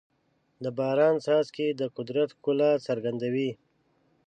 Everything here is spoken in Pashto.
د باران څاڅکي د قدرت ښکلا څرګندوي.